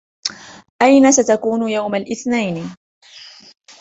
أين ستكون يوم الإثنين؟